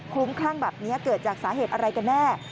ลุ้มคลั่งแบบนี้เกิดจากสาเหตุอะไรกันแน่